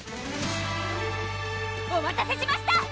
お待たせしました！